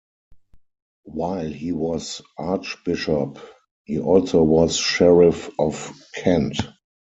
While he was archbishop, he also was sheriff of Kent.